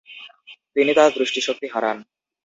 তিনি তার দৃষ্টিশক্তি হারান।